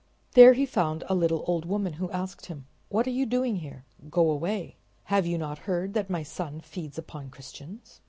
There he found a little old woman, who asked him: "What are you doing here? Go away. Have you not heard that my son feeds upon Christians?"